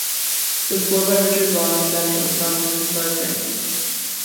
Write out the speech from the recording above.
The score by Richard Rodney Bennett was nominated for a Grammy.